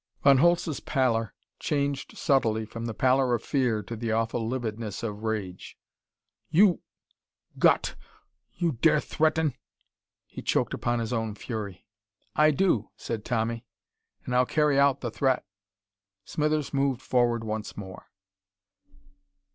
Von Holtz's pallor changed subtly from the pallor of fear to the awful lividness of rage. "You Gott! You dare threaten " He choked upon his own fury. "I do," said Tommy. "And I'll carry out the threat." Smithers moved forward once more.